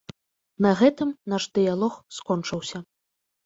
На гэтым наш дыялог скончыўся.